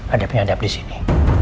ada penyadap di sini